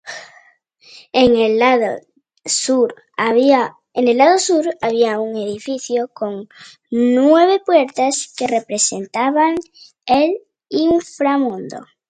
En el lado sur había un edificio con nueve puertas que representaba el inframundo.